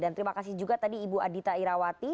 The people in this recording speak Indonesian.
dan terima kasih juga tadi ibu adita irawati